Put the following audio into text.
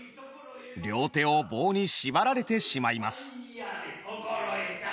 両手を棒にしばられてしまいます。